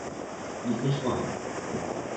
Nic než oheň.